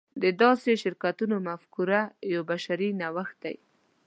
د داسې شرکتونو مفکوره یو بشري نوښت دی.